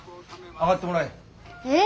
上がってもらい。